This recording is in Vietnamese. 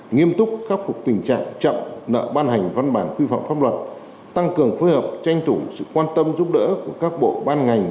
nghiêm túc khắc phục tình trạng chậm nợ ban hành văn bản quy phạm pháp luật tăng cường phối hợp tranh thủ sự quan tâm giúp đỡ của các bộ ban ngành